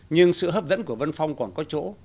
nhưng sự hấp dẫn của vân phong còn có chỗ